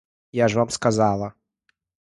Я ж вам сказала.